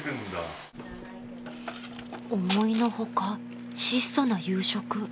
［思いの外質素な夕食］